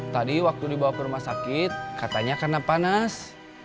tadi waktu dibawa ke rumah sakit katanya karena panas